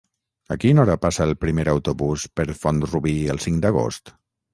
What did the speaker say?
A quina hora passa el primer autobús per Font-rubí el cinc d'agost?